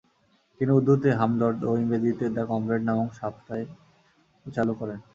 তিনি উর্দুতে হামদর্দ ও ইংরেজিতে দ্য কমরেড নামক সাপ্তাহিক চালু করেন।